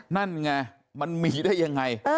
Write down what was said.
นั่นไงมันมีได้ยังไง